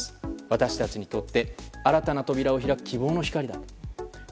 私たちにとって新たな扉を開く希望の光だと。